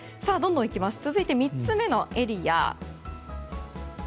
続いて３つ目のエリア。